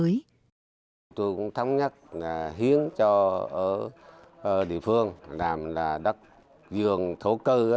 tôi cũng thống nhất hiến cho địa phương làm đất vườn thổ cư